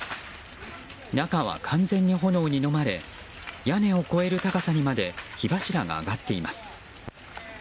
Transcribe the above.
中は完全に炎にのまれ屋根を越える高さにまで火柱が上がっています。